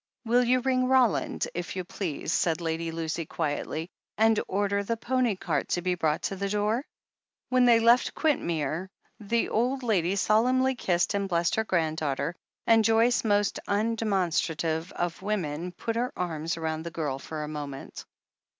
"Will you ring, Roland, if you please," said Lady Lucy quietly, "and order the pony cart to be brought to the door ?" When they left Quintmere, the old lady solemnly kissed and blessed her granddaughter, and Joyce, most undemonstrative of women, put her arms round the girl for a moment.